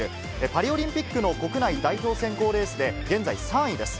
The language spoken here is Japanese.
パリオリンピックの国内代表選考レースで、現在、３位です。